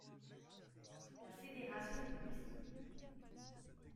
La Fédaration de Russie.